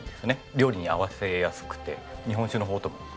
料理に合わせやすくて日本酒の方とも合わせやすくて。